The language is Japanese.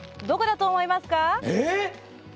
どこだと思いますか？